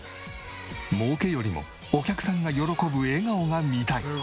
もうけよりもお客さんが喜ぶ笑顔が見たい。